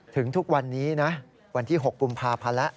ถึงทุกวันนี้นะวันที่๖กุมภาพันธ์แล้ว